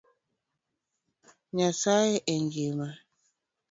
Nyasaye engima